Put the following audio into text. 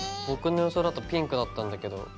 僕の予想だとピンクだったんだけど。